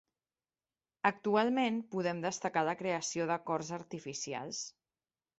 Actualment podem destacar la creació de cors artificials.